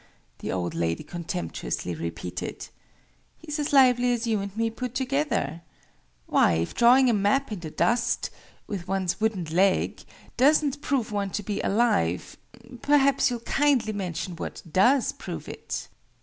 the old lady contemptuously repeated. "He's as lively as you and me put together! Why, if drawing a map in the dust with one's wooden leg doesn't prove one to be alive, perhaps you'll kindly mention what does prove it!"